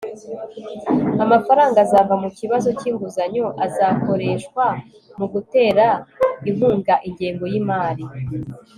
amafaranga azava mu kibazo cy'inguzanyo azakoreshwa mu gutera inkunga ingengo y'imari